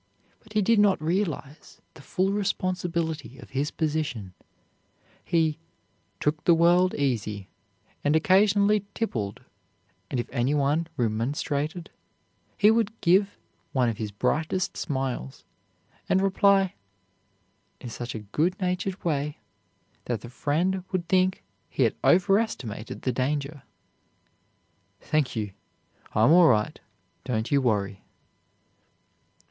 But he did not realize the full responsibility of his position. He "took the world easy," and occasionally tippled; and if any one remonstrated, he would give one of his brightest smiles, and reply, in such a good natured way that the friend would think he had over estimated the danger: "Thank you. I'm all right. Don't you worry."